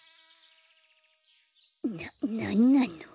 ななんなの。